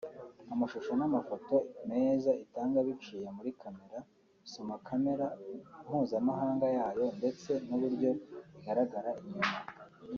Amashusho n’amafoto meza itanga biciye muri Camera (soma kamera) mpuzamahanga yayo ndetse n’uburyo igaragara inyuma